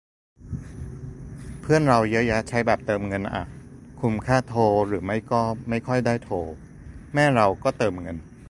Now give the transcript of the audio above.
เพื่อนเราเยอะแยะใช้แบบเติมเงินอ่ะ คุมค่าโทร หรือไม่ก็ไม่ค่อยได้โทร แม่เราก็เติมเงิน